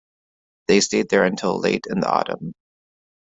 They stayed there until late in the autumn.